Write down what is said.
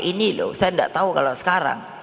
ini loh saya nggak tahu kalau sekarang